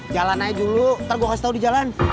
jalan aja dulu ntar gue kasih tau di jalan